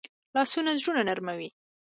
لاسونه زړونه نرموي